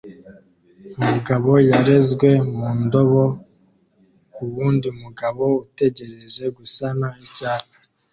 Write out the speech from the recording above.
Umugabo yarezwe mu ndobo kuwundi mugabo utegereje gusana icyapa